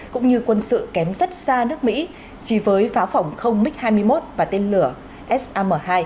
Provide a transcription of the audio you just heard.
cũng như quân sự kém rất xa nước mỹ chỉ với pháo phỏng không mig hai mươi một và tên lửa sam hai